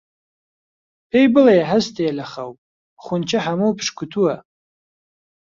پێی بڵێ هەستێ لە خەو، خونچە هەموو پشکووتووە